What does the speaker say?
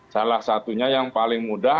salah satunya yang paling mudah